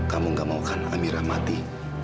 kamu gak mau kan amirah mati